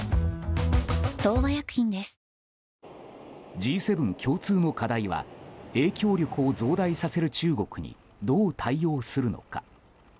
Ｇ７共通の課題は影響力を増大させる中国にどう対応するのか。